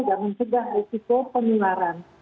dan mencegah risiko penularan